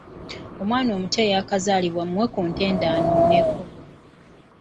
Omwana omuto eyakazaalibwa muwe ku ntende anuuneko.